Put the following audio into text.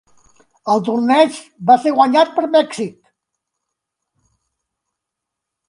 El torneig va ser guanyat per Mèxic.